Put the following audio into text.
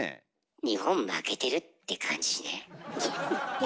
日本負けてるって感じしねえ？